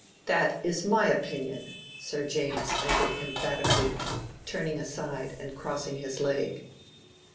That is my opinion." Sir James ended emphatically, turning aside and crossing his leg.